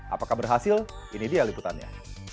apakah berhasil ini dia liputannya